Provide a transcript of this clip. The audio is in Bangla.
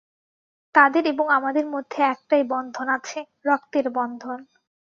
তাদের এবং আমাদের মধ্যে একটাই বন্ধন আছে, রক্তের বন্ধন।